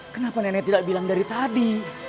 kenapa nenek tidak bilang dari tadi